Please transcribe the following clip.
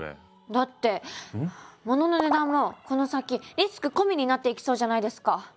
だって物の値段もこの先リスク込みになっていきそうじゃないですか。